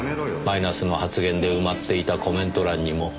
マイナスの発言で埋まっていたコメント欄にも。